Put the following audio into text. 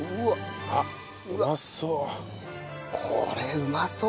うまそう。